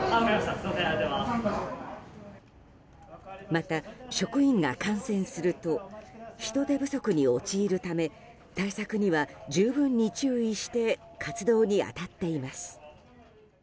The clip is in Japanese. また、職員が感染すると人手不足に陥るため対策には十分に注意して活動に当たっています。